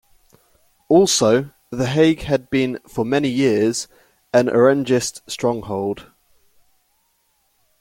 Also, The Hague had been for many years an Orangist stronghold.